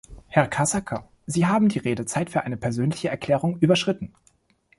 Herr Casaca, Sie haben die Redezeit für eine persönliche Erklärung überschritten.